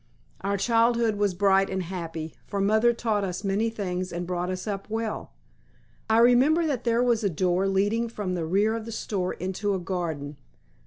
Our childhood was bright and happy, for mother taught us many things and brought us up well. I remember that there was a door leading from the rear of the store into a garden.